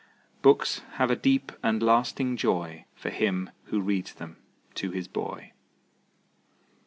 Books have a deep and lasting joy For him who reads them to his boy.